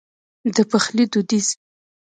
د پخلي دوديز